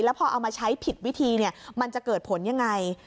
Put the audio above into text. แล้วพอเอามาใช้ผิดวิธีเนี่ยมันจะเกิดผลยังไง